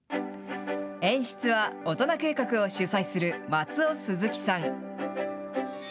演出は、大人計画を主宰する松尾スズキさん。